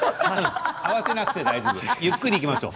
慌てなくていいですゆっくりいきましょう。